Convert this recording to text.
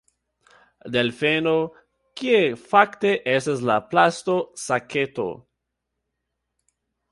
Delfeno: "Kie fakte estas la plasta saketo?"